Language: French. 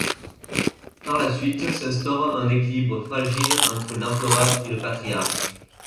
Par la suite s’instaure un équilibre fragile entre l’empereur et le patriarche.